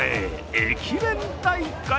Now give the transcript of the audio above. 駅弁大会。